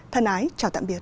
thân ái chào tạm biệt